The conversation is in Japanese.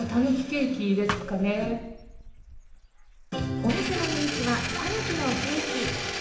お店の人気はタヌキのケーキ。